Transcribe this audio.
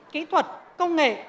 kỹ thuật công nghệ